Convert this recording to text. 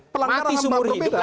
pelanggaran ham berat berbeda